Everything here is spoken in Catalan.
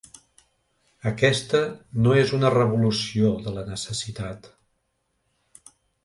Aquesta no és una revolució de la necessitat.